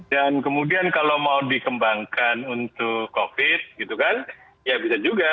dan kemudian kalau mau dikembangkan untuk covid ya bisa juga